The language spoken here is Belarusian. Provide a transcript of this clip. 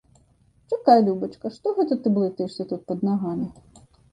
Чакай, любачка, што гэта ты блытаешся тут пад нагамі?